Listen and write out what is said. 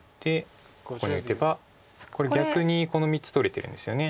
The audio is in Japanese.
ここに打てばこれ逆にこの３つ取れてるんですよね。